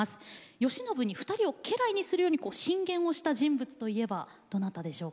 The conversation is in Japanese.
慶喜に２人を家来にするように進言をした人物といえばどなたでしょうか。